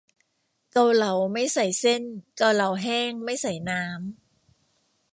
เกาเหลา ไม่ใส่เส้น เกาเหลาแห้ง ไม่ใส่น้ำ